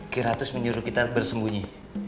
kiratus menyuruh kita bersembunyi